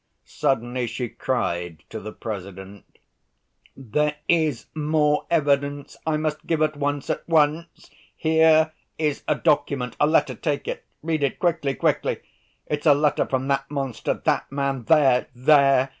Suddenly she cried to the President: "There is more evidence I must give at once ... at once! Here is a document, a letter ... take it, read it quickly, quickly! It's a letter from that monster ... that man there, there!"